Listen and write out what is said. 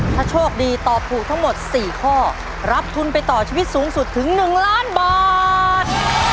ถ้าโชคดีตอบถูกทั้งหมด๔ข้อรับทุนไปต่อชีวิตสูงสุดถึง๑ล้านบาท